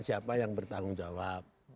siapa yang bertanggung jawab